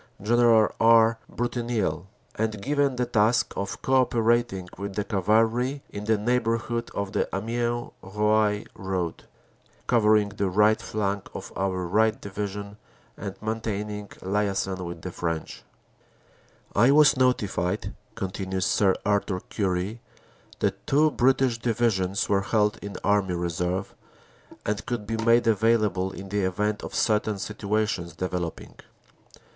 General R. Brutinel, and given the task of co operating with the cavalry in the neighborhood of the Amiens Roye road, covering the right flank of our right division and maintaining liason with the French. "I was notified," continues Sir Arthur Currie, "that two British Divisions were held in Army Reserve, and could be made available in the event of certain situations developing.